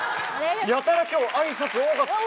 やたら今日挨拶多かったよね。